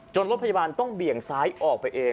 รถพยาบาลต้องเบี่ยงซ้ายออกไปเอง